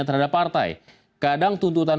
terhadap partai kadang tuntutan